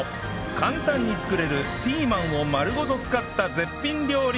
簡単に作れるピーマンを丸ごと使った絶品料理